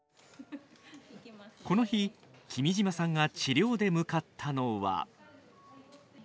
この日君島さんが治療で向かったのは。